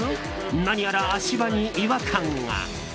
何やら足場に違和感が。